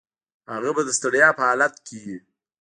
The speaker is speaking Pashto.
هغه به د ستړیا په حالت کې وي.